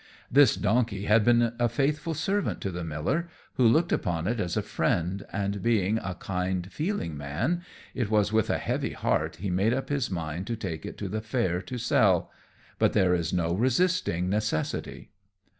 This donkey had been a faithful servant to the miller, who looked upon it as a friend, and being a kind feeling man, it was with a heavy heart he made up his mind to take it to the fair to sell but there is no resisting necessity.